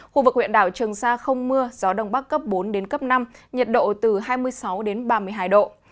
khu vực huyện đào trường sa không mưa gió đông bắc cấp bốn năm nhiệt độ từ hai mươi sáu ba mươi hai độ